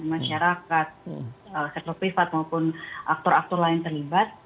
masyarakat sektor privat maupun aktor aktor lain terlibat